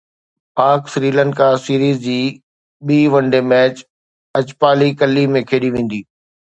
پاڪ سريلنڪا سيريز جي ٻي ون ڊي ميچ اجپالي ڪلي ۾ کيڏي ويندي